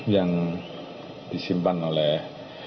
yang disimpan oleh